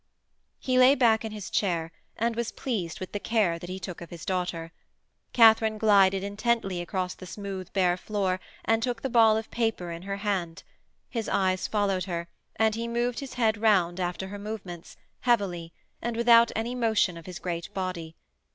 He lay back in his chair and was pleased with the care that he took of his daughter. Katharine glided intently across the smooth bare floor and took the ball of paper in her hand. His eyes followed her and he moved his head round after her movements, heavily, and without any motion of his great body.